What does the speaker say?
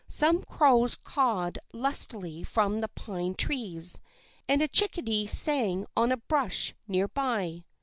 Some crows cawed lustily from the pine trees, and a chickadee sang on a bush near by.